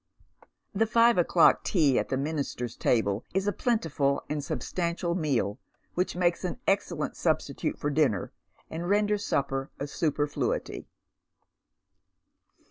The five <)'clock tea at the minister's table is a plentiful and substantial meal, which makes an excellent substitute for dinner, and renders eupper a superfluity.